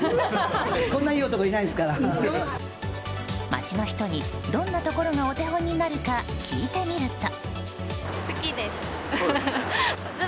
街の人にどんなところがお手本になるか聞いてみると。